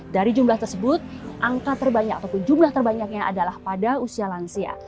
dari jumlah tersebut angka terbanyak ataupun jumlah terbanyaknya adalah pada usia lansia